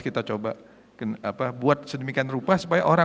kebaikan keuangan tersebar